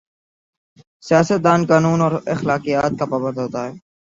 سیاست دان قانون اور اخلاقیات کا پابند ہو تا ہے۔